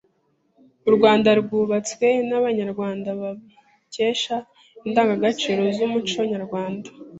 U Rwanda rwubatswe n’abanyarwanda babikesha indangagaciro z’umuco nyarwanda,